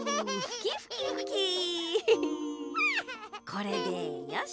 これでよし！